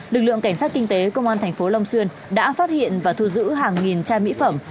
lực lượng cảnh sát kinh tế công an thành phố long xuyên đã phát hiện và thu giữ hàng nghìn chai mỹ phẩm